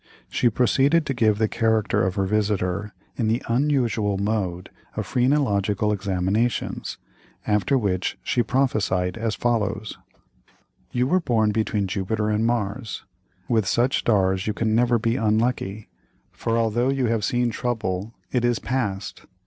She proceeded to give the character of her visitor in the usual mode of phrenological examinations, after which she prophesied as follows: "You were born between Jupiter and Mars, with such stars you can never be unlucky, for although you have seen trouble, it is past.